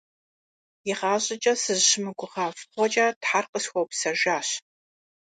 ИгъащӀэкӀэ сызыщымыгугъа фӀыгъуэкӀэ Тхьэр къысхуэупсэжащ.